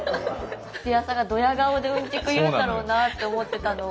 土屋さんがどや顔でうんちく言うんだろうなって思ってたのを。